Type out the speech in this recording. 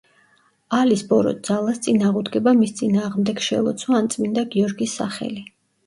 ალის ბოროტ ძალას წინ აღუდგება მის წინააღმდეგ შელოცვა ან წმინდა გიორგის სახელი.